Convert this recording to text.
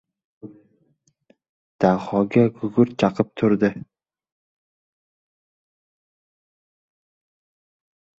Dahoga gugurt chaqib tutdi.